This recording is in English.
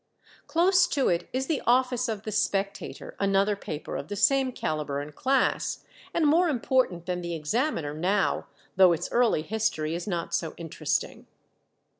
Close to it is the office of the Spectator, another paper of the same calibre and class, and more important than the Examiner now, though its early history is not so interesting.